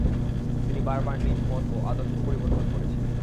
তিনি বারবার নিজ মত ও আদর্শ পরিবর্তন করেছেন।